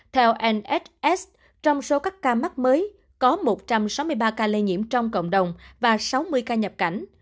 theoss trong số các ca mắc mới có một trăm sáu mươi ba ca lây nhiễm trong cộng đồng và sáu mươi ca nhập cảnh